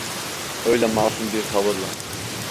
Öyle masum bir tavırla...